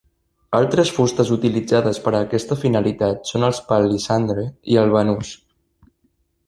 Altres fustes utilitzades per a aquesta finalitat són el palissandre i el banús.